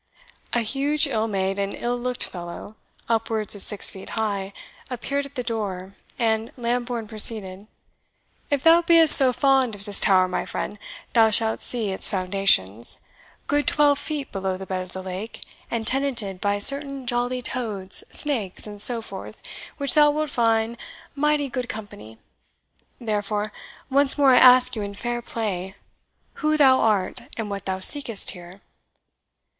A huge, ill made and ill looked fellow, upwards of six feet high, appeared at the door, and Lambourne proceeded: "If thou be'st so fond of this tower, my friend, thou shalt see its foundations, good twelve feet below the bed of the lake, and tenanted by certain jolly toads, snakes, and so forth, which thou wilt find mighty good company. Therefore, once more I ask you in fair play, who thou art, and what thou seekest here?"